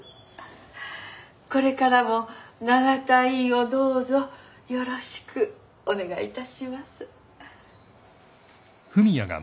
これからも永田医院をどうぞよろしくお願いいたします。